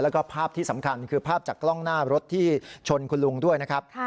แล้วก็ภาพที่สำคัญคือภาพจากกล้องหน้ารถที่ชนคุณลุงด้วยนะครับ